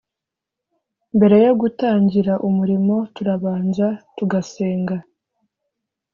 mbere yo gutangira umurimo turabanza tugasenga